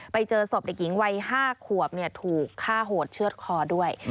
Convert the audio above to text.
ไปเจอศพเด็กหญิงวัย๕ขวบถูกฆ่าโหดเชื่อดคอด้วย